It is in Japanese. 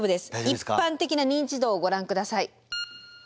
一般的な認知度をご覧下さい。